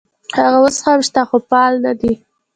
هغه اوس هم شته خو فعال نه دي.